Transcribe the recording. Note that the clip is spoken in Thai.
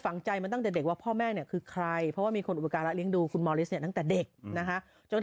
ระหว่างอ่านข่าวเธอทำให้ดูหน่อย